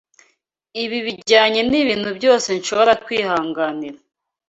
Ibi bijyanye nibintu byose nshobora kwihanganira.